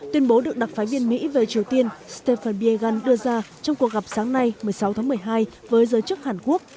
tuyên bố được đặc phái viên mỹ về triều tiên stephen biegun đưa ra trong cuộc gặp sáng nay một mươi sáu tháng một mươi hai với giới chức hàn quốc